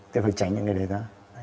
thì phải tránh những cái đấy đó